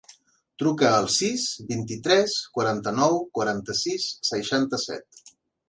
Truca al sis, vint-i-tres, quaranta-nou, quaranta-sis, seixanta-set.